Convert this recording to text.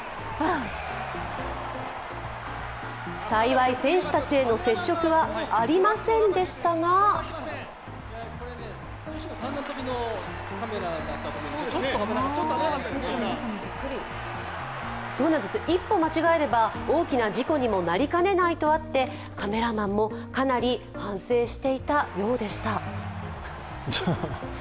幸い選手たちへの接触はありませんでしたがそうなんです、一歩間違えれば大きな事故にもなりかねないとあってカメラマンもかなり反省していたようでした。